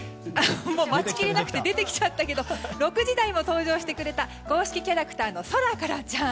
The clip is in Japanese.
待ちきれなくて出てきちゃったけど６時台も登場してくれた公式キャラクターのソラカラちゃん。